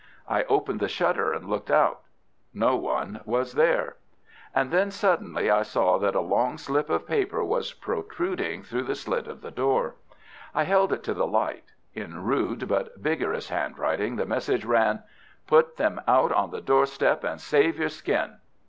I opened the shutter and looked out. No one was there. And then suddenly I saw that a long slip of paper was protruding through the slit of the door. I held it to the light. In rude but vigorous handwriting the message ran:— "Put them out on the doorstep and save your skin."